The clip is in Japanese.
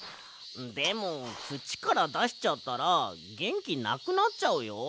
でもつちからだしちゃったらげんきなくなっちゃうよ。